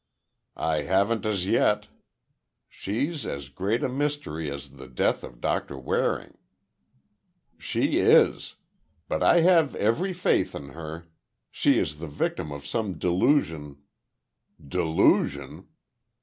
"I haven't as yet. She's as great a mystery as the death of Doctor Waring." "She is. But I have every faith in her. She is the victim of some delusion—" "Delusion?"